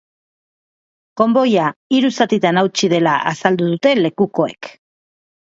Konboia hiru zatitan hautsi dela azaldu dute lekukoek.